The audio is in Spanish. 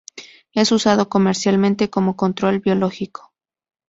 Es usado comercialmente como control biológico.